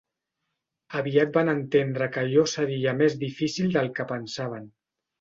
Aviat van entendre que allò seria més difícil del que pensaven.